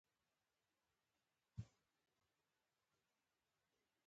د افغانستان د اقتصادي پرمختګ لپاره پکار ده چې تبلیغات وشي.